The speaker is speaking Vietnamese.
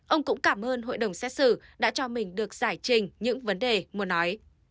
ông cũng cảm ơn hội đồng xét xử đã cho mình được giải trình những vấn đề muốn nói